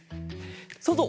そうぞう！